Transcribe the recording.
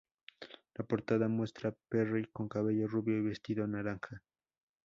La portada muestra a Perry con cabello rubio y vestido naranja.